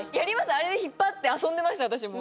あれで引っ張って遊んでました私も。